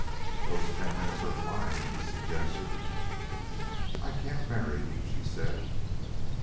"Those ten minutes are flying," he suggested. "I can't marry you," she said.